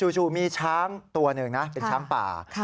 จู่มีช้างตัวหนึ่งนะเป็นช้างป่า